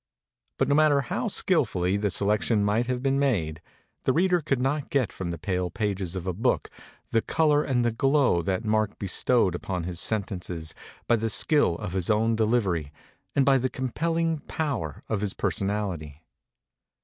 But no mat ter how skilfully the selection might have been made, the reader could not get from the pale pages of a book the color and the glow that Mark bestowed upon his sentences by the skill 280 MEMORIES OF MARK TWAIN of his own delivery and by the compelling power of his personality.